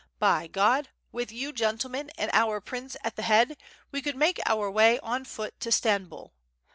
By God! with you gentle men, and our pnnce at the head, we could make our way on foot to Stambul.